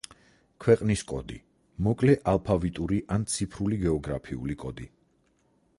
ქვეყნის კოდი — მოკლე ალფავიტური ან ციფრული გეოგრაფიული კოდი.